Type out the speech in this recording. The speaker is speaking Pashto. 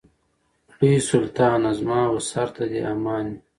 لوی سلطانه زما و سر ته دي امان وي